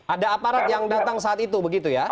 ada aparat yang datang saat itu begitu ya